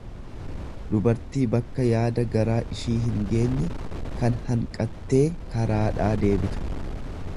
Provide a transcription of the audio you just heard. dubartii bakka yaada garaa ishii hingeenye, tan hanqattee karaadhaa deebitu.